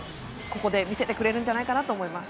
ここで見せてくれるんじゃないかなと思います。